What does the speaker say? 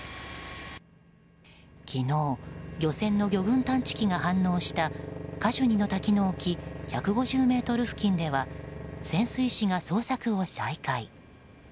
昨日漁船の魚群探知機が反応したカシュニの滝の沖１５０ｍ付近では潜水士が捜索を再開。